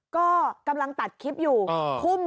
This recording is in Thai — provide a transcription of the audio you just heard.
ก็กำลังตัดคลิปอยู่ทุ่ม๔๐